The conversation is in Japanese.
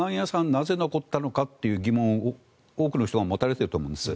なぜ残ったのかという疑問を多くの人が持たれていると思うんです。